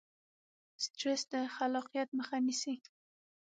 سټرس د خلاقیت مخه نیسي.